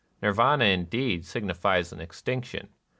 Nirvana, indeed, signifies an extinction.